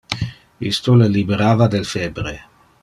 Isto le liberava del febre.